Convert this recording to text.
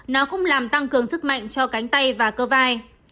nó cũng làm tăng cường sức mạnh cho cánh tay và cơ vai